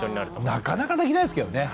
なかなかできないですけどね。